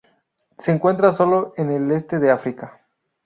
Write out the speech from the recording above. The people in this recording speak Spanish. Se encuentra sólo en el este de África.